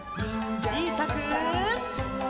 ちいさく。